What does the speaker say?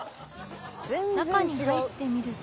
中に入ってみると